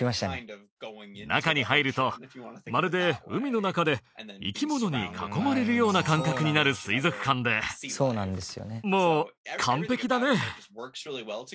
中に入るとまるで海の中で生き物に囲まれるような感覚になる水族館でもう完璧だね。